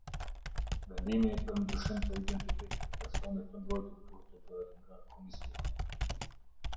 Vendimi për ndryshim të identitetit të personit të mbrojtur duhet të bëhet nga Komisioni.